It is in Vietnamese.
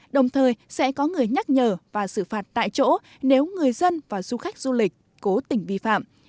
đồng thời sẽ có người nhắc nhở và xử phạt tại chỗ nếu người dân và du khách du lịch cố tỉnh vi phạm